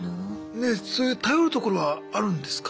ねえそういう頼るところはあるんですか？